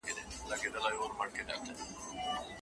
موږ به له خپلو ميرمنو څخه کرکه نه کوو.